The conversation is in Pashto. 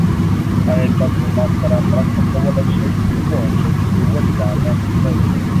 ایا تاسو ما سره مرسته کولی شئ پوه شئ چې ولې دا مهم دی؟